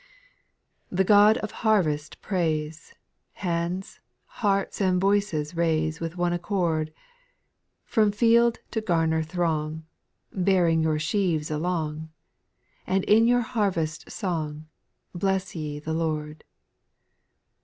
6. The God of harvest praise ; Hands, hearts and voices raise With one accord. From field to gamer throng, Bearing your sheaves along ; And in your harvest song. Bless ye the Lord.